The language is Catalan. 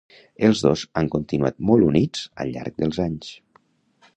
Els dos han continuat molt units al llarg dels anys.